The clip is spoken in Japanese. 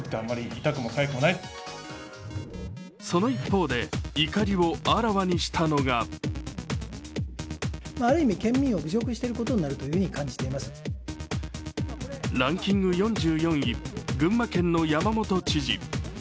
その一方で怒りをあらわにしたのがランキング４４位群馬県の山本知事。